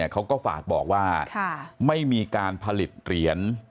เขาก็ฝากบอกว่าไม่มีการผลิตเหรียญ